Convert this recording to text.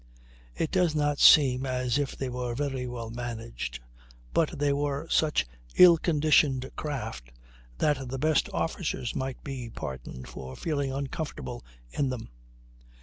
It does not seem as if they were very well managed; but they were such ill conditioned craft that the best officers might be pardoned for feeling uncomfortable in them.